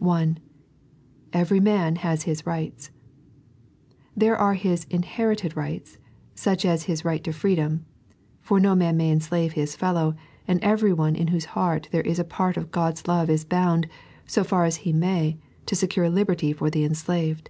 (1) Every man has his rights. There are his i nherUed rights, such as his right to freedom; for no man may enslave hie fellow, and everyone in whose heart there is a part of God's love is bound, bo far as he may, to secure liberty for the enslaved.